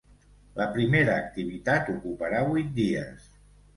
La primera activitat ocuparà vuit dies.